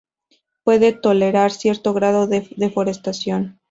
Puede tolerar cierto grado de deforestación.